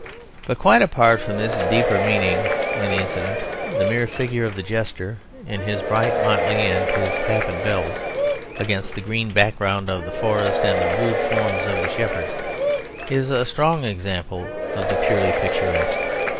But quite apart from this deeper meaning in the incident, the mere figure of the jester, in his bright motley and his cap and bells, against the green background of the forest and the rude forms of the shepherds, is a strong example of the purely picturesque.